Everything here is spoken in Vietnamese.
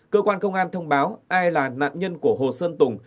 cơ quan công an thông báo ai là nạn nhân của hồ sơn tùng